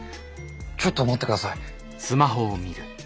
ちょっと待って下さい。